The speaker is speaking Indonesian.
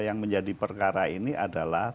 yang menjadi perkara ini adalah